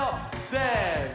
せの！